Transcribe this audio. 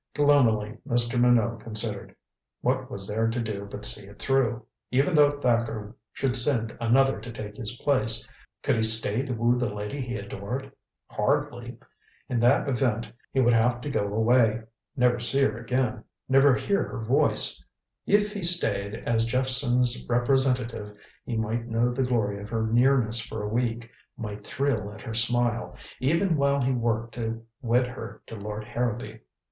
Gloomily Mr. Minot considered. What was there to do but see it through? Even though Thacker should send another to take his place, could he stay to woo the lady he adored? Hardly. In that event he would have to go away never see her again never hear her voice If he stayed as Jephson's representative he might know the glory of her nearness for a week, might thrill at her smile even while he worked to wed her to Lord Harrowby.